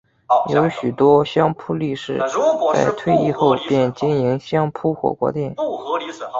有许多相扑力士在退役后便经营相扑火锅店。